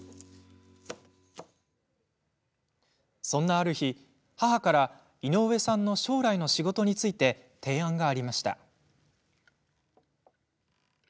そんなある日、母から井上さんの将来の仕事について提案がありました。